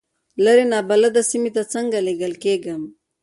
لرې نابلده سیمې ته څنګه لېږل کېږم.